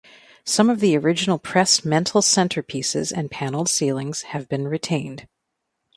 Some of the original pressed metal centrepieces and panelled ceilings have been retained.